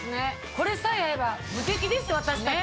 これさえあれば無敵です私たち。